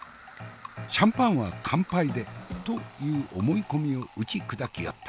シャンパンは乾杯でという思い込みを打ち砕きよった。